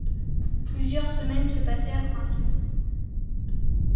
Plusieurs semaines se passèrent ainsi.